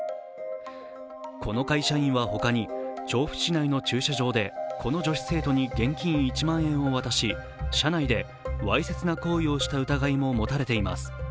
この会社員は他に調布市内の駐車場でこの女子生徒に現金１万円を渡し車内でわいせつな行為をした疑いが持たれています。